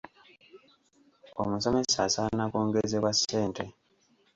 Omusomesa asaana kwongezebwa ssente.